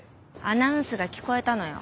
アナウンスが聞こえたのよ。